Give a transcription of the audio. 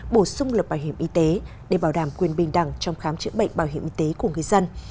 bổ sung luật bảo hiểm y tế để bảo đảm quyền bình đẳng trong khám chữa bệnh bảo hiểm y tế của người dân